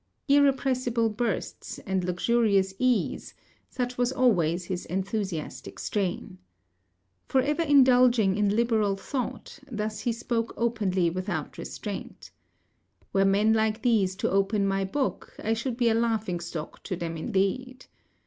'Irrepressible bursts, and luxurious ease,' such was always his enthusiastic strain. 'For ever indulging in liberal thought,' thus he spoke openly without restraint. Were men like these to open my book, I should be a laughing stock to them indeed.